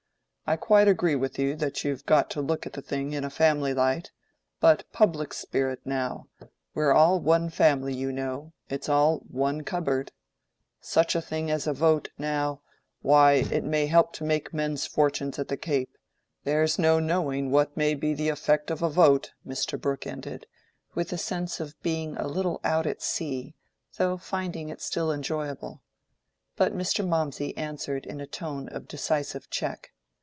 I quite agree with you that you've got to look at the thing in a family light: but public spirit, now. We're all one family, you know—it's all one cupboard. Such a thing as a vote, now: why, it may help to make men's fortunes at the Cape—there's no knowing what may be the effect of a vote," Mr. Brooke ended, with a sense of being a little out at sea, though finding it still enjoyable. But Mr. Mawmsey answered in a tone of decisive check.